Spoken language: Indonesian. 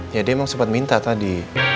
ya dia emang sempat minta tadi